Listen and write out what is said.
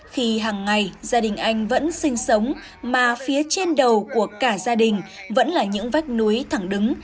khi hàng ngày gia đình anh vẫn sinh sống mà phía trên đầu của cả gia đình vẫn là những vách núi thẳng đứng